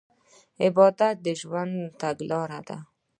عبادت د ژوند تګلاره ده.